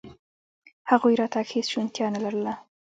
د هغوی راتګ هېڅ شونتیا نه لرله.